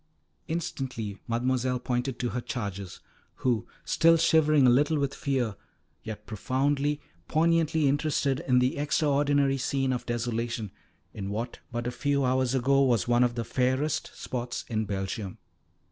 Instantly Mademoiselle pointed to her charges, who, still shivering a little with fear, yet profoundly, poignantly interested in the extraordinary scene of desolation, in what but a few hours ago was one of the fairest spots in Belgium.